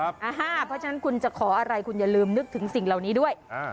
เพราะฉะนั้นคุณจะขออะไรคุณอย่าลืมนึกถึงสิ่งเหล่านี้ด้วย